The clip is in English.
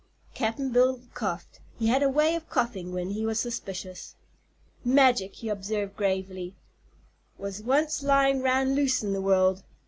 Cap'n Bill coughed. He had a way of coughing when he was suspicious. "Magic," he observed gravely, "was once lyin' 'round loose in the world.